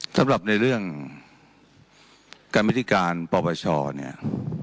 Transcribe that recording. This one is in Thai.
สำหรับในเรื่องกรรมวิธีการปปชเนี่ย